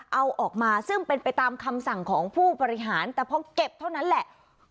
เอาออกมาซึ่งเป็นไปตามคำสั่งของผู้บริหารแต่พอเก็บเท่านั้นแหละ